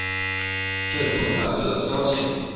治所在乐郊县。